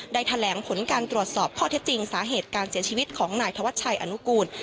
แถลงผลการตรวจสอบข้อเท็จจริงสาเหตุการเสียชีวิตของนายธวัชชัยอนุกูล